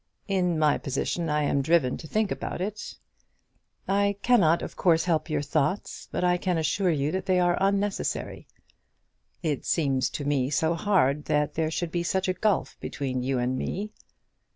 "In my position I am driven to think about it." "I cannot, of course, help your thoughts; but I can assure you that they are unnecessary." "It seems to me so hard that there should be such a gulf between you and me."